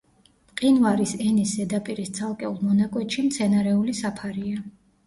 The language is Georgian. მყინვარის ენის ზედაპირის ცალკეულ მონაკვეთში მცენარეული საფარია.